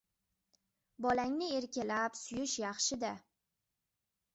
Bolangni erkalab, suyish yaxshi-da.